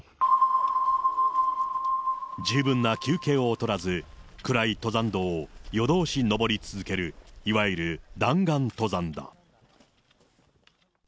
十分な休憩を取らず、暗い登山道を夜通し登り続けるいわゆる弾丸登山だ。